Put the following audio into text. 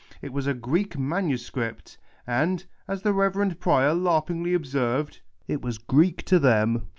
It was a Greek manuseript, and, as the Reverend Prior laughingly observed, it was (Jreek to them.